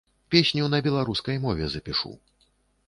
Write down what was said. Песню на беларускай мове запішу.